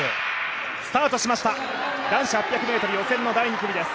スタートしました男子８００ｍ予選の第２組です。